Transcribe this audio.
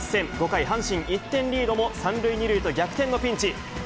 ５回、阪神１点リードも３塁２塁と逆転のピンチ。